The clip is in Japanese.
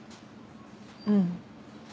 うん。